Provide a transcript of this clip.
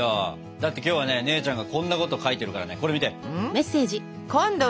だって今日はね姉ちゃんがこんなこと書いてるからねこれ見て！